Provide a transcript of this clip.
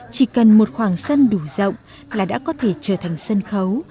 chỉ cần một khoảng sân đủ rộng là đã có thể trở thành sân khấu